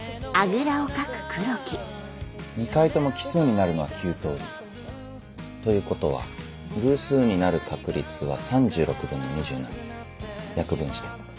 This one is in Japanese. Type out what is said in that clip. ２回とも奇数になるのは９通りということは偶数になる確率は３６分の２７。約分して。